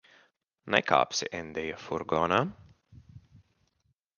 Nekāpsi Endija furgonā.